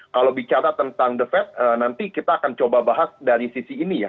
kalau bicara tentang the fed nanti kita akan coba bahas dari sisi ini ya